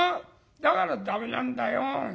だから駄目なんだよ。